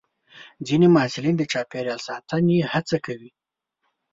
ځینې محصلین د چاپېریال ساتنې هڅه کوي.